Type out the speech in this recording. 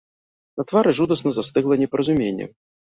На твары жудасна застыгла непаразуменне.